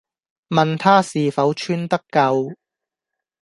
問她是否穿得夠？